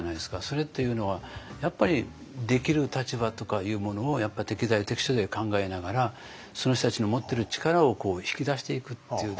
それっていうのはやっぱりできる立場とかいうものをやっぱ適材適所で考えながらその人たちの持ってる力を引き出していくっていう。